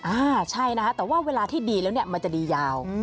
อ่าใช่นะคะแต่ว่าเวลาที่ดีแล้วเนี่ยมันจะดียาว